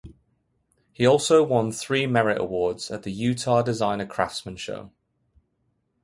He also won three merit awards at the Utah Designer Craftsman Show.